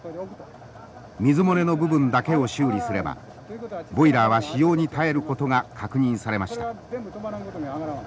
水漏れの部分だけを修理すればボイラーは使用に耐えることが確認されました。